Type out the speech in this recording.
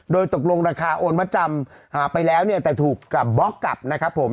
โดยตกลงราคาโอนมาจำไปแล้วเนี่ยแต่ถูกกลับบล็อกกลับนะครับผม